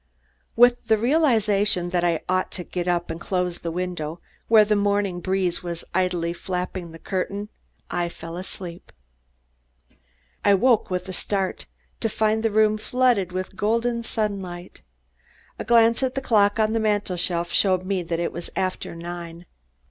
With the realization that I ought to get up and close the window, where the morning breeze was idly flapping the curtain, I fell asleep. I awoke with a start, to find the room flooded with golden sunlight. A glance at the clock on the mantel shelf showed that it was after nine.